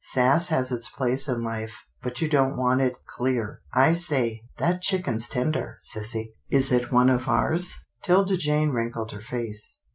Sass has its place in life, but you don't want it clear — I say, that chicken's tender, sissy. Is it one of ours ?" 'Tilda Jane wrinkled her face.